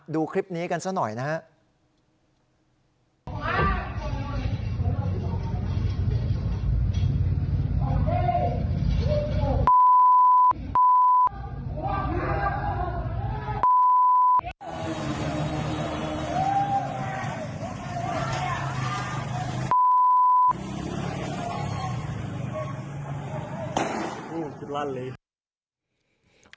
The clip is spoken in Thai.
ดูคลิปนี้กันซะหน่อยนะครับ